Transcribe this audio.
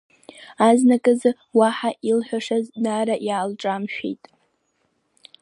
Азныказ уаҳа илҳәашаз Нара иаалҿамшәеит.